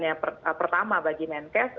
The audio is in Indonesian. yang pertama bagi menkes